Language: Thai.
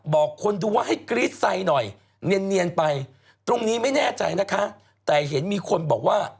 บอกคนดูว่าให้กรี๊ดไซหน่อยเนียนไปตรงนี้ไม่แน่ใจนะคะแต่เห็นมีคนบอกว่า